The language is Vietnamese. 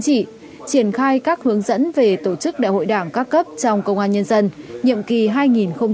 trị triển khai các hướng dẫn về tổ chức đại hội đảng các cấp trong công an nhân dân nhiệm kỳ